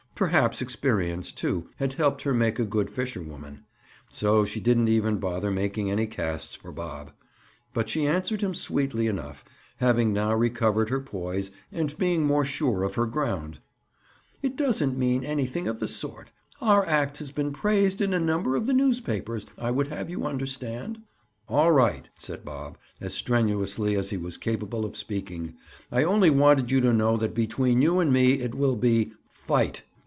Perhaps experience, too, had helped make her a good fisherwoman. So she didn't even bother making any casts for Bob. But she answered him sweetly enough, having now recovered her poise and being more sure of her ground: "It doesn't mean anything of the sort. Our act has been praised in a number of the newspapers, I would have you understand." "All right," said Bob, as strenuously as he was capable of speaking. "I only wanted you to know that between you and me it will be—fight!"